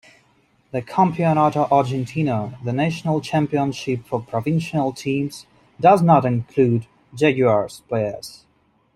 The Campeonato Argentino, the national championship for provincial teams, does not include Jaguares players.